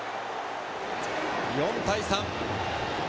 ４対３。